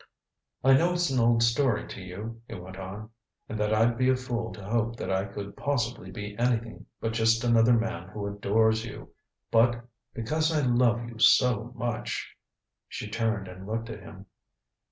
"I know it's an old story to you," he went on, "and that I'd be a fool to hope that I could possibly be anything but just another man who adores you. But because I love you so much " She turned and looked at him.